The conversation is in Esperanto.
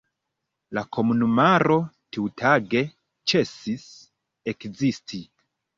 La komunumaro tiutage ĉesis ekzisti.